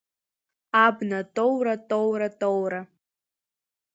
Абна тоура, тоура, тоура…